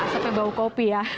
sampai bau kopi ya